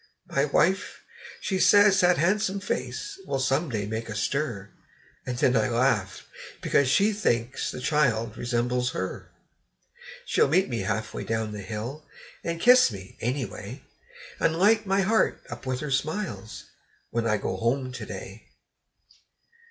My wife, she says that han'some face will some day make a stir; And then I laugh, because she thinks the child resembles her. She'll meet me half way down the hill, and kiss me, any way; And light my heart up with her smiles, when I go home to day!